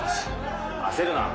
焦るな。